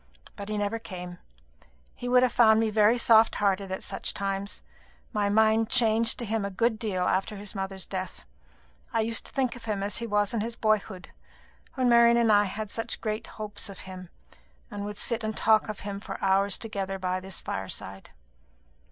But he never came. He would have found me very soft hearted at such times. My mind changed to him a good deal after his mother's death. I used to think of him as he was in his boyhood, when Marian and I had such great hopes of him, and would sit and talk of him for hours together by this fireside.